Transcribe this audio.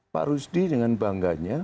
pak rusdi dengan bangganya